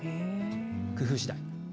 工夫しだい。